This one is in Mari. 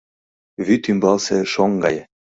Вӱд ӱмбалсе шоҥ гае.